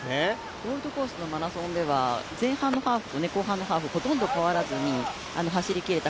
ゴールドコーストのマラソンでは前半のハーフと後半のハーフ、ほとんど変わらずに走り切れた。